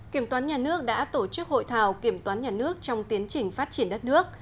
kiểm toán nhà nước đã tổ chức hội thảo kiểm toán nhà nước trong tiến trình phát triển đất nước